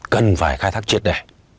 cần phải khai thác triệt đẻ